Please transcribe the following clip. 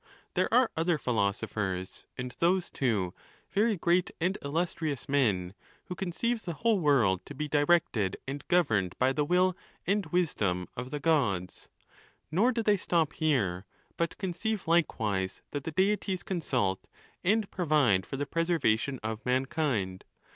There are other philosophers, and those, too, very great and illustrious men, who conceive the whole world to be di rected and govei'ned by the will and wisdom of the Gods; nor do they stop here, but conceive likewise that the Deities THE NATURE OF THE GODS. 211 consult and provide for the preservation of mankind.